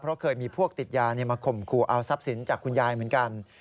เพราะเคยมีพวกติดยามาข่มขู่เอาทรัพย์สินจากคุณยายเหมือนกัน